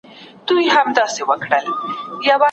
ابونصر فارابي یو ستر مسلمان فیلسوف تېر سوی دی.